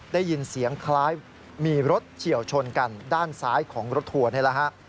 ได้ยินเสียงคล้ายมีรถเฉียวชนกันด้านซ้ายของรถทัวร์นี่แหละฮะ